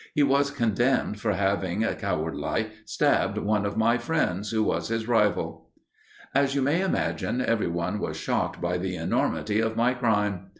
He was condemned for having, coward like, stabbed one of my friends, who was his rival.' As you may imagine, every one was shocked by the enormity of my crime.